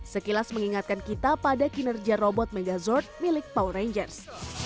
sekilas mengingatkan kita pada kinerja robot megazord milik power rangers